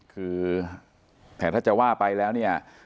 คือแต่ถ้าจะว่าไปแล้วเนี่ย